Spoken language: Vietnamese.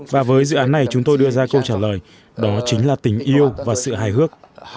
và với dự án này chúng tôi đưa ra câu trả lời đó chính là tình yêu và sự hài hước